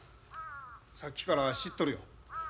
さっきから知っとるよ。